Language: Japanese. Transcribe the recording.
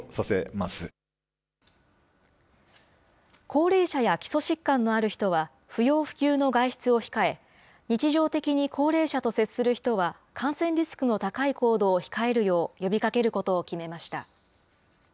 高齢者や基礎疾患のある人は、不要不急の外出を控え、日常的に高齢者と接する人は、感染リスクの高い行動を控えるよう呼びかけることを決めました。